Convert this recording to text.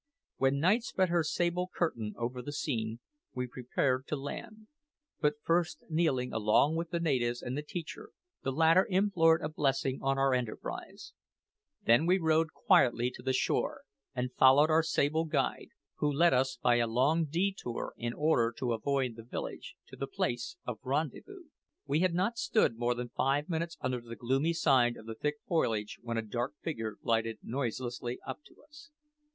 When night spread her sable curtain over the scene, we prepared to land; but first kneeling along with the natives and the teacher, the latter implored a blessing on our enterprise. Then we rowed quietly to the shore and followed our sable guide, who led us by a long detour in order to avoid the village, to the place of rendezvous. We had not stood more than five minutes under the gloomy shade of the thick foliage when a dark figure glided noiselessly up to us.